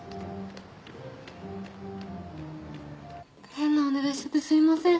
変なお願いしちゃってすいません。